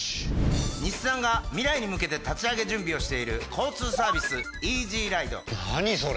日産が未来に向けて立ち上げ準備をしている交通サービス何それ？